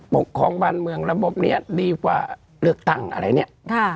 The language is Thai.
ปกครองบ้านเมืองระบบนี้ดีกว่าเลือกตั้งอะไรเนี่ย